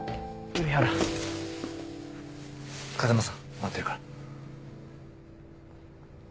風間さん待ってるから。